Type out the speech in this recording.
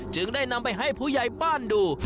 จึงได้นำไปให้ผู้ใหญ่บ้านดู